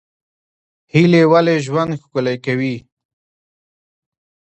هیلې ولې ژوند ښکلی کوي؟